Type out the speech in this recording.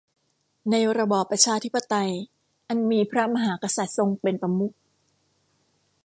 ในระบอบประชาธิปไตยอันมีพระมหากษัตริย์ทรงเป็นประมุข